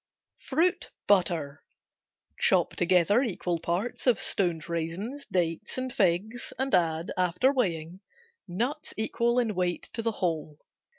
Fruit Butter Chop together equal parts of stoned raisins, dates and figs and add (after weighing) nuts equal in weight to the whole.